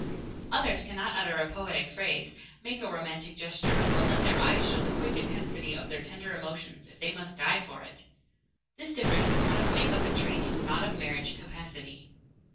Others cannot utter a poetic phrase, make a romantic gesture, or let their eyes show the quick intensity of their tender emotions if they must die for it. This difference is one of make up and training, not of marriage capacity.